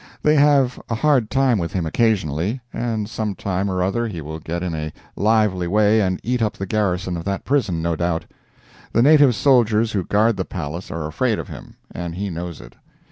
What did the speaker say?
They have a hard time with him occasionally, and some time or other he will get in a lively way and eat up the garrison of that prison, no doubt. The native soldiers who guard the place are afraid of him, and he knows it.